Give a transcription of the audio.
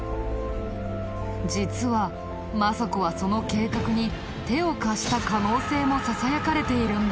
実は政子はその計画に手を貸した可能性もささやかれているんだ。